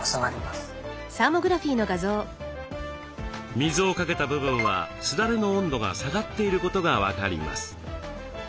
水をかけた部分はすだれの温度が下がっていることが分かります。